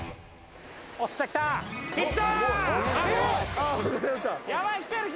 おっしゃ、来た！